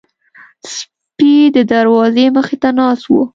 سپي د دروازې مخې ته ناست وو.